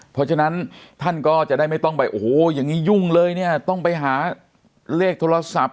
เพราะฉะนั้นท่านก็จะได้ไม่ต้องไปโอ้โหอย่างนี้ยุ่งเลยเนี่ยต้องไปหาเลขโทรศัพท์